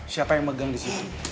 siapa yang pegang disitu